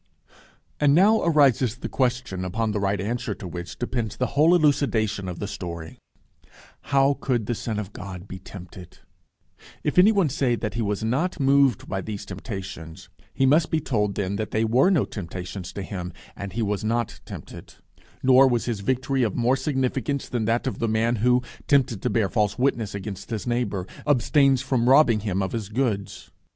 And now arises the question upon the right answer to which depends the whole elucidation of the story: How could the Son of God be tempted? If any one say that he was not moved by those temptations, he must be told that then they were no temptations to him, and he was not tempted; nor was his victory of more significance than that of the man who, tempted to bear false witness against his neighbour, abstains from robbing him of his goods.